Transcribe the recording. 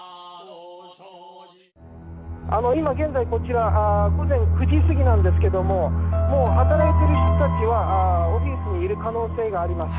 「今現在こちら午前９時過ぎなんですけどももう働いてる人たちはオフィスにいる可能性があります。